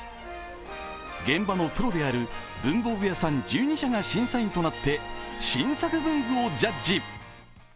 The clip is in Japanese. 現場のプロである文房具屋さん１２社が審査員となって新作文具をジャッジ。